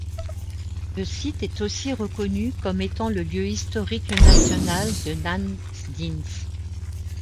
Le site est aussi reconnu comme étant le lieu historique national de Nan Sdins.